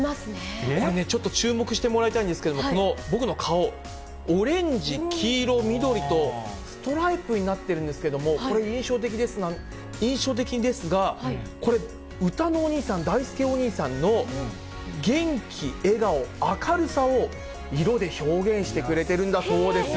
これね、ちょっと注目してもらいたいんですけど、この僕の顔、オレンジ、黄色、緑と、ストライプになってるんですけれども、これ、印象的ですが、これ、うたのお兄さん、だいすけお兄さんの元気、笑顔、明るさを、色で表現してくれてるんだそうです。